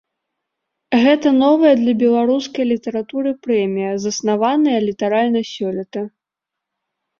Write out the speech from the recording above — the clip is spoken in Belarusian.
Гэта новая для беларускай літаратуры прэмія, заснаваная літаральна сёлета.